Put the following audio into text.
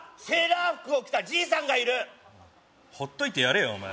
セーラー服を着たじいさんがいるほっといてやれよ